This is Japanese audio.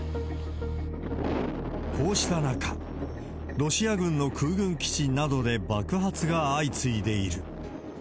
こうした中、ロシア軍の空軍基地などで爆発が相次いでいる。